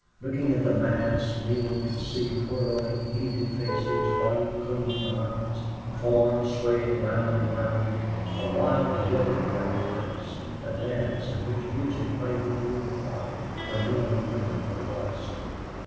Looking at the mass, Neale could only see whirling, heated faces, white, clinging arms, forms swaying round and round, a wild rhythm without grace, a dance in which music played no real part, where men and women were lost.